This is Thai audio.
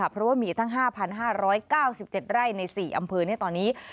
เพราะว่ามีตั้ง๕๕๙๗ไร่ใน๔อำเภอในตอนนี้